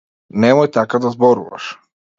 Немој така да зборуваш.